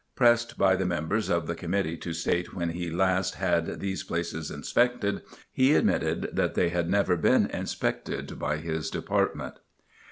Pressed by members of the committee to state when he last had these places inspected, he admitted that they had never been inspected by his Department.